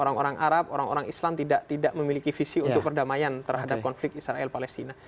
orang orang arab orang orang islam tidak memiliki visi untuk perdamaian terhadap konflik israel palestina